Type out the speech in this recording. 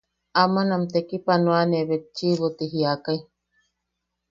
–“Aman am tekipanoane betchiʼibo.” ti jiakai.